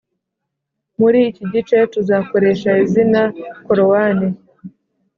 muri iki gice tuzakoresha izina korowani